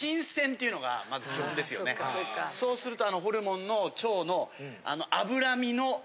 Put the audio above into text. そうすると。